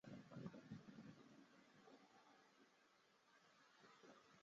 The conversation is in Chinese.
宝应元年豫宁县复为武宁县。